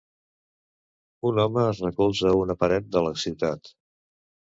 Un home es recolza a una paret de la ciutat.